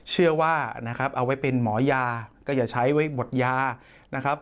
เชื่อว่านะครับเอาไว้เป็นหมอยาก็อย่าใช้ไว้หมดยานะครับ